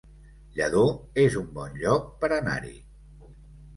Lladó es un bon lloc per anar-hi